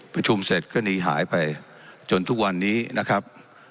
ประชุมเสร็จก็หนีหายไปจนทุกวันนี้นะครับ